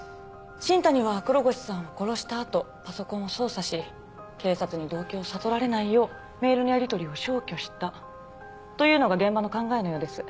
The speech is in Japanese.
新谷は黒越さんを殺した後パソコンを操作し警察に動機を悟られないようメールのやりとりを消去したというのが現場の考えのようです。